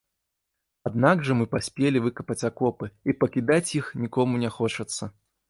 Аднак жа мы паспелі выкапаць акопы, і пакідаць іх нікому не хочацца.